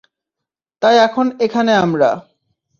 তাই এখন এখানে আমরা।